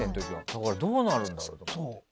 だから、どうなるんだろうって。